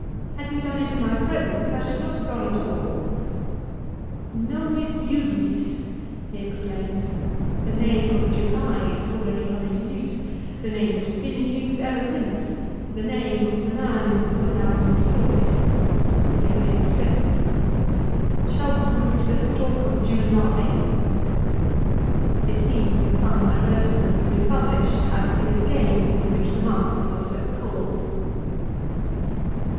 Had you done it in my presence I should not have gone at all." 3 "Nonis Juliis !"* he exclaims. The name of July had already come into use, the name which has been in use ever since ; the 1 Ad Att. xv. 21. 2 Ad Att. xv. 26. 3 Ad Att. xv. 27. 4 Ad Att. xvi. 1. CESAR'S DEATH. 225 name of the man who had now been destroyed ! The idea distresses him. "Shall Brutus talk of July?" It seems that some advertisement had been published as to his games in which the month was so called.